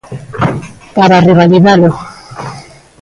Para revalidalo.